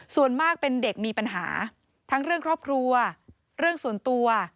ส่วนมากเป็นเด็กมีปัญหาทั้งเรื่องครอบครัวเรื่องส่วนตัว